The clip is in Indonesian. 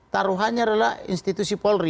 taruhannya adalah institusi polri